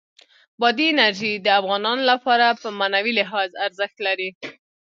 بادي انرژي د افغانانو لپاره په معنوي لحاظ ارزښت لري.